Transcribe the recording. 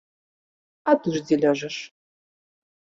А ты ж дзе ляжаш?